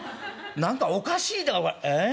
何かおかしいええ？